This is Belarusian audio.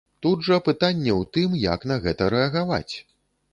Тут жа пытанне ў тым, як на гэта рэагаваць.